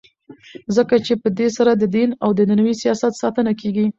ځکه چي په دی سره ددین او دینوي سیاست ساتنه کیږي.